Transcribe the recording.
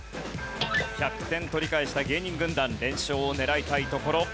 １００点取り返した芸人軍団連勝を狙いたいところ。